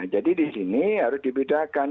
jadi di sini harus dibedakan